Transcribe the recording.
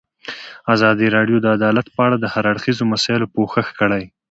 ازادي راډیو د عدالت په اړه د هر اړخیزو مسایلو پوښښ کړی.